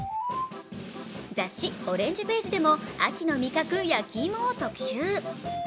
雑誌「オレンジページ」でも秋の味覚、焼き芋を特集。